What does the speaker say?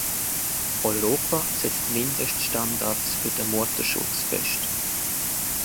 Europa setzt Mindeststandards für den Mutterschutz fest.